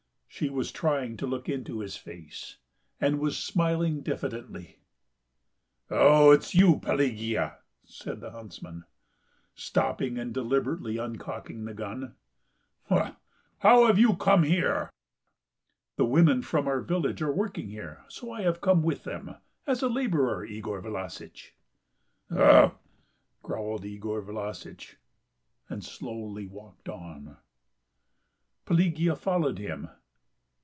She was trying to look into his face, and was smiling diffidently. "Oh, it is you, Pelagea!" said the huntsman, stopping and deliberately uncocking the gun. "H'm!... How have you come here?" "The women from our village are working here, so I have come with them.... As a labourer, Yegor Vlassitch." "Oh..." growled Yegor Vlassitch, and slowly walked on. Pelagea followed him.